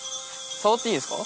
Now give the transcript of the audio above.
触っていいですか？